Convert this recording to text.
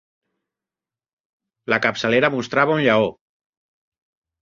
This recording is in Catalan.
La capçalera mostrava un lleó.